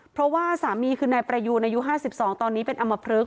เพราะว่าสามีคือนายประยูนอายุ๕๒ตอนนี้เป็นอำมพลึก